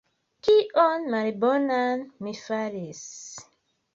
Kion malbonan mi faris?